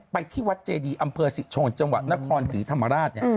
ที่วัดเจดีอำเภอสิโชนจังหวัดนครศรีธรรมราช